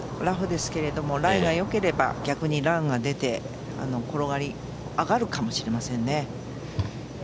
ラフですけど、ライが良ければ逆にランが出て転がり上がるかもしれませんね。